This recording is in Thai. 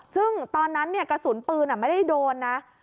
เอ่อซึ่งตอนนั้นเนี้ยกระสุนปืนอ่ะไม่ได้โดนน่ะ